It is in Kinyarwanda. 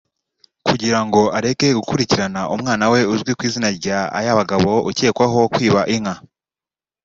kugira ngo areke gukurikirana umwana we uzwi ku izina rya Ayabagabo ukekwaho kwiba inka